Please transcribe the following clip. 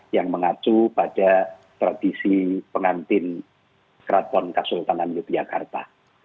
yang mengacu pada tradisi pengantin keraton khas sultanan yogyakarta